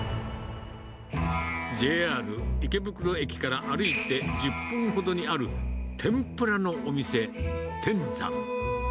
ＪＲ池袋駅から歩いて１０分ほどにある、天ぷらのお店、天山。